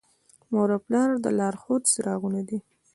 مور او پلار د لارښود څراغونه دي.